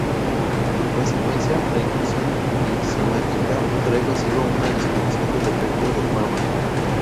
En consecuencia, la inducción enzimática trae consigo una disminución del efecto del fármaco.